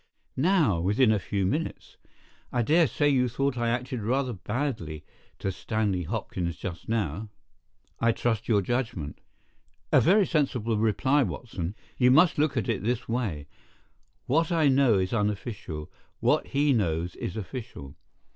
"Now—within a few minutes. I dare say you thought I acted rather badly to Stanley Hopkins just now?" "I trust your judgment." "A very sensible reply, Watson. You must look at it this way: what I know is unofficial, what he knows is official.